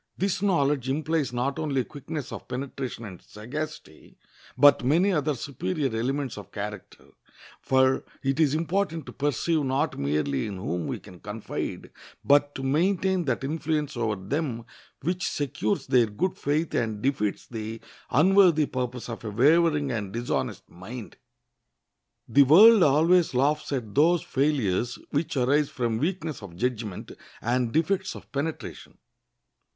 This knowledge implies not only quickness of penetration and sagacity, but many other superior elements of character; for it is important to perceive not merely in whom we can confide, but to maintain that influence over them which secures their good faith and defeats the unworthy purpose of a wavering and dishonest mind. The world always laughs at those failures which arise from weakness of judgment and defects of penetration.